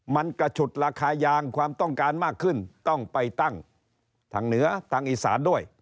มันกระฉุดราคายางความต้องการมากขึ้นต้องไปตั้งทางเหนือทางอีสานด้วย